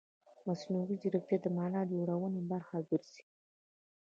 مصنوعي ځیرکتیا د معنا جوړونې برخه ګرځي.